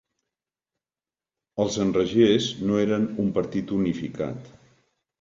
Els Enragés no eren un partit unificat.